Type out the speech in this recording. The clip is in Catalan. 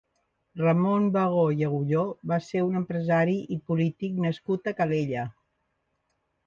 Ramon Bagó i Agulló va ser un empresari i polític nascut a Calella.